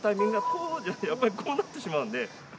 やっぱりこうなってしまうんで。